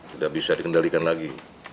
tidak bisa dikendalikan lagi